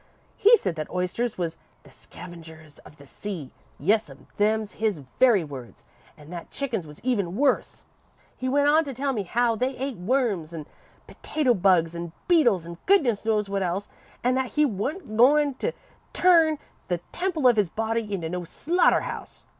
He said that oysters was 'the scavengers of the sea' yes'm, them's his very words, an' that chickens was even worse. He went on to tell me how they et worms an' potato bugs an' beetles an' goodness knows what else, an' that he wa'n't goin' to turn the temple of his body into no slaughter house.